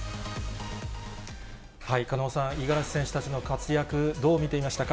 狩野さん、五十嵐選手たちの活躍、どう見ていましたか。